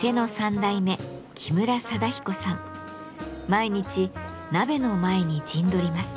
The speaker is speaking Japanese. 毎日鍋の前に陣取ります。